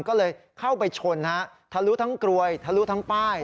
ก็เลยเข้าไปชนฮะทะลุทั้งกรวยทะลุทั้งป้าย